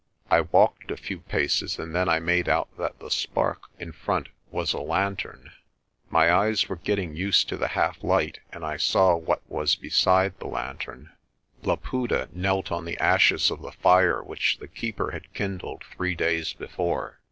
I walked a few paces and then I made out that the spark in front was a lantern. My eyes were getting used to the half light, and I saw what was beside the lantern. Laputa knelt on the ashes of the fire which the Keeper had kindled three days before.